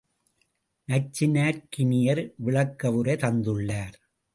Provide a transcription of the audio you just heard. நச்சினார்க்கினியர் விளக்கவுரை தந்துள்ளார்.